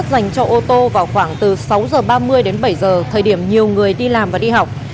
dành cho ô tô vào khoảng từ sáu h ba mươi đến bảy giờ thời điểm nhiều người đi làm và đi học